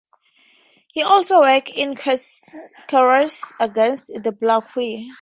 He also worked on cures against the plague.